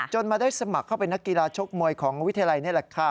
มาได้สมัครเข้าเป็นนักกีฬาชกมวยของวิทยาลัยนี่แหละค่ะ